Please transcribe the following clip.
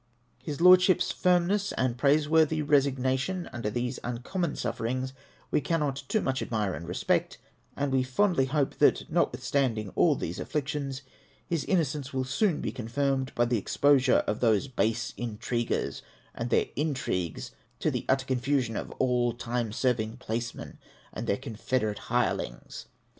His Lordship's firmness and praiseworthy resignation under these uncommon sufferings we cannot too much admire and respect ; and we fondly hope that, notwithstanding all these afflictions, his innocence will soon be confirmed by the exposure of those base intriguers and their intrigues, to the utter confusion of all time serving placemen and their confederate hirelings.